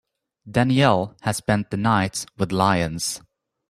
Danielle has spent the night with lions.